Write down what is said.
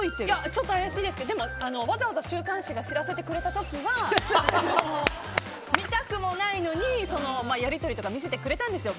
ちょっと怪しいですけどわざわざ週刊誌が知らせてくれた時は見たくもないのに、やり取りとか見せてくれたんですよ。